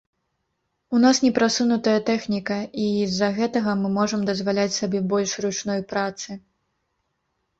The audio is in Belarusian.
У нас непрасунутая тэхніка, і з-за гэтага мы можам дазваляць сабе больш ручной працы.